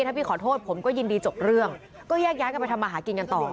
ถ้าพี่ขอโทษผมก็ยินดีจบเรื่องก็แยกย้ายกันไปทำมาหากินกันต่อ